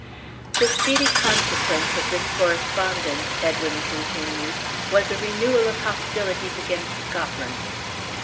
"The speedy consequence of this correspondence," Edwin continued, "was a renewal of hostilities against Scotland.